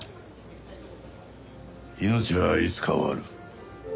命はいつか終わる。